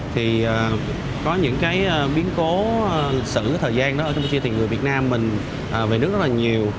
thì có những cái biến cố xử thời gian đó ở campuchia thì người việt nam mình về nước rất là nhiều